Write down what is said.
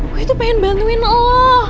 gue tuh pengen bantuin oh